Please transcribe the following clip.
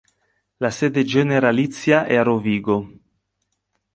La sede generalizia è a Rovigo.